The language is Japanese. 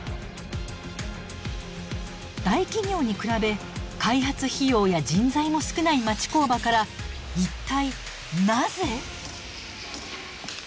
大企業に比べ開発費用や人材も少ない町工場から一体なぜ。